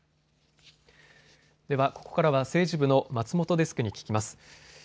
ここからは政治部の松本デスクに聞きます。